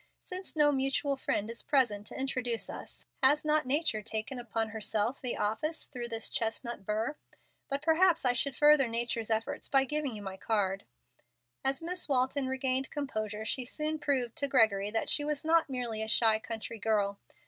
Since no mutual friend is present to introduce us, has not Nature taken upon herself the office through this chestnut burr? But perhaps I should further Nature's efforts by giving you my card." As Miss Walton regained composure, she soon proved to Gregory that she was not merely a shy country girl.